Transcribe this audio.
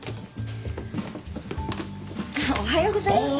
おはようございます。